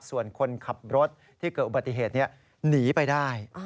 ส่วนคนขับรถที่เกิดอุบัติเหตุนี้หนีไปได้